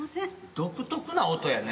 独特な音やね。